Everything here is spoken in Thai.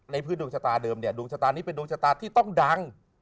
พื้นดวงชะตาเดิมเนี่ยดวงชะตานี้เป็นดวงชะตาที่ต้องดัง